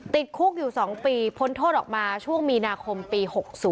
ติดคุกอยู่๒ปีพ้นโทษออกมาช่วงมีนาคมปี๖๐